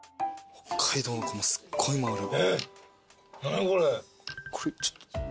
北海道のコマすっごい回るよ。